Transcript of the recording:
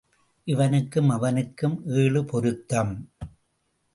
இவனுக்கும் அவனுக்கும் ஏழு பொருத்தம்.